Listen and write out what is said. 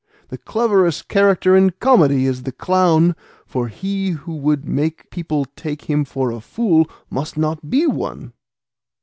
The cleverest character in comedy is the clown, for he who would make people take him for a fool, must not be one.